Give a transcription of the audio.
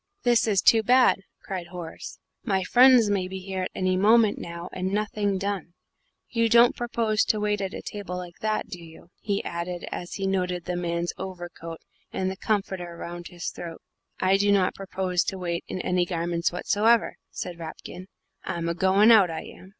"This is too bad!" cried Horace; "my friends may be here at any moment now and nothing done. You don't propose to wait at table like that, do you?" he added, as he noted the man's overcoat and the comforter round his throat. "I do not propose to wait in any garments whatsoever," said Rapkin; "I'm a goin' out, I am."